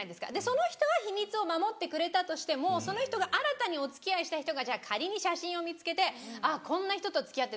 その人は秘密を守ってくれたとしてもその人が新たにお付き合いした人が仮に写真を見つけて「こんな人と付き合ってたんだ。